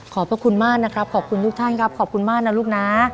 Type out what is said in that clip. พระคุณมากนะครับขอบคุณทุกท่านครับขอบคุณมากนะลูกนะ